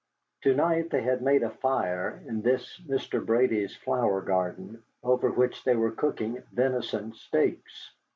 To night they had made a fire in this Mr. Brady's flower garden, over which they were cooking venison steaks.